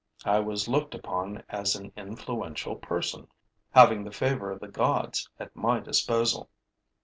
I was looked upon as an influential person, having the favor of the gods at my disposal.